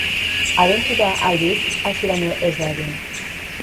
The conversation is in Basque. Abentura, aldiz, hasi baino ez da egin.